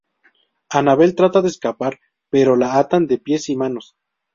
Anabel trata de escapar pero la atan de pies y manos.